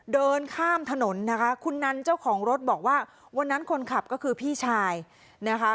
เดินข้ามถนนนะคะคุณนันเจ้าของรถบอกว่าวันนั้นคนขับก็คือพี่ชายนะคะ